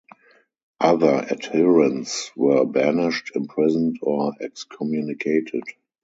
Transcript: Other adherents were banished, imprisoned, or excommunicated.